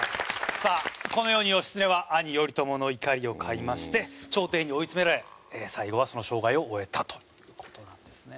さあこのように義経は兄頼朝の怒りを買いまして朝廷に追い詰められ最後はその生涯を終えたという事なんですね。